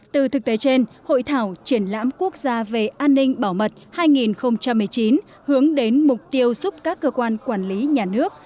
từ thực tế trên hội thảo triển lãm quốc gia về an ninh bảo mật hai nghìn một mươi chín hướng đến mục tiêu giúp các cơ quan quản lý nhà nước